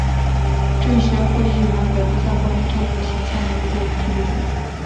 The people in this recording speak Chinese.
政协会议原本不在国民政府行宪的预备步骤中。